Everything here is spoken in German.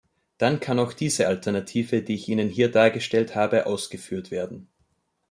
Dann kann auch diese Alternative, die ich Ihnen hier dargestellt habe, ausgeführt werden.